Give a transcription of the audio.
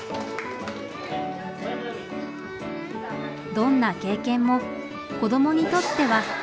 どんな経験も子どもにとっては大きな学び。